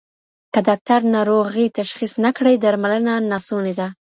که ډاکټر ناروغي تشخیص نه کړي درملنه ناسونې ده.